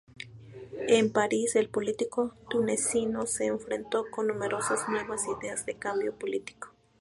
En París el político tunecino se enfrentó con numerosas nuevas ideas de cambio político.